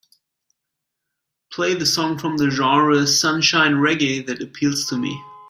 Play the song from the genre Sunshine Reggae that appeals to me.